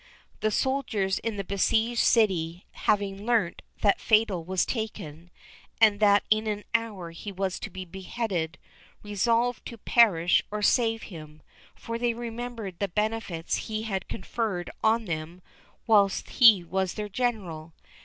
The soldiers in the besieged city having learnt that Fatal was taken, and that in an hour he was to be beheaded, resolved to perish or save him, for they remembered the benefits he had conferred on them whilst he was their General.